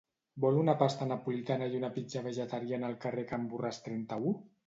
Vol una pasta napolitana i una pizza vegetariana al carrer Can Borràs trenta-u?